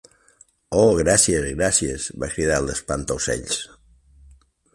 Oh gràcies... gràcies!, va cridar l'espantaocells.